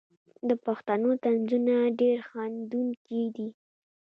د پښتنو طنزونه ډیر خندونکي دي.